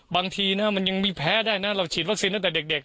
บางทีนะมันยังมีแพ้ได้นะเราฉีดวัคซีนตั้งแต่เด็ก